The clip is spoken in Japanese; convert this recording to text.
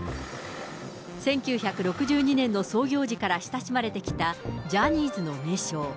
１９６２年の創業時から親しまれてきたジャニーズの名称。